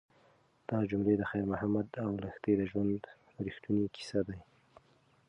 دا جملې د خیر محمد او لښتې د ژوند رښتونې کیسې دي.